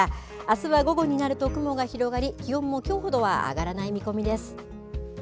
あすは午後になると雲が広がり気温もきょうほどは上がらない見込みです。